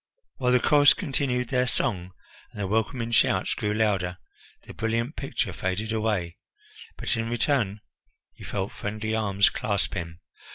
While the chorus continued their song, and the welcoming shouts grew louder, the brilliant picture faded away, but in return he felt friendly arms clasp him.